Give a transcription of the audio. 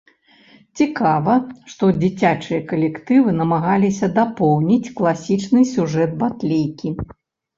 Цікава, што дзіцячыя калектывы намагаліся дапоўніць класічны сюжэт батлейкі.